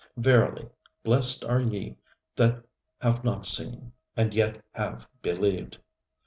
Verily, blessed are ye that have not seen, and yet have believed.